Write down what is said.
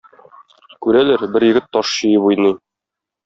Күрәләр, бер егет таш чөеп уйный.